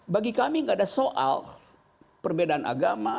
bagi kami tidak ada soal perbedaan agama